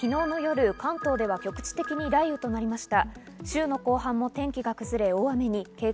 昨日、関東北部は一時的に雷雨となりました。